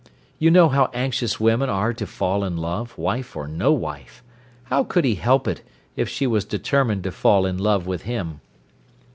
"You know how anxious women are to fall in love, wife or no wife. How could he help it, if she was determined to fall in love with him?"